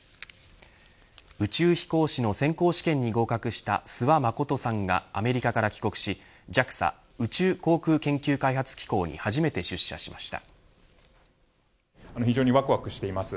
宇宙飛行士の選考試験に合格した諏訪理さんがアメリカから帰国しＪＡＸＡ宇宙航空研究開発機構に初めて出社しました。